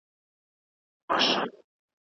ځوانان بايد د حقايقو په لټه کي وي.